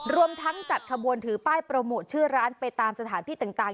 รวมทั้งจัดขบวนถือป้ายโปรโมทชื่อร้านไปตามสถานที่ต่าง